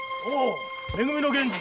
「め組」の源次。